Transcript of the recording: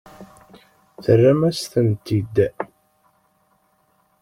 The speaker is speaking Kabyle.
Terram-asent-tent-id.